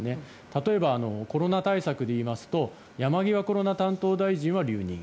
例えばコロナ対策でいいますと山際コロナ担当大臣は留任。